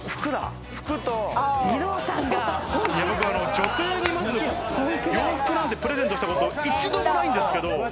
女性に洋服をプレゼントしたことは一度もないんです。